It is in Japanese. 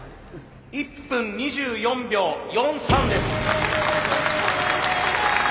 １分２４秒４３です。